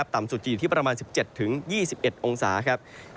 ต่ำสุดจะอยู่ที่ประมาณ๑๗๒๑องศาครับ